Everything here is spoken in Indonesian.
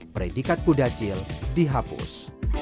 predikat kudacil dihapus